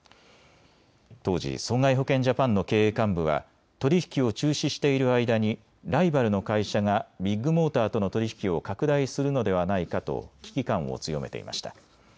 当時、損害保険ジャパンの経営幹部は取り引きを中止している間にライバルの会社がビッグモーターとの取り引きを拡大するのではないかと危機感を強めていました。